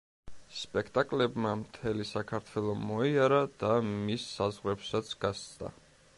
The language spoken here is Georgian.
სპექტაკლებმა მთელი საქართველო მოიარა და მის საზღვრებსაც გასცდა.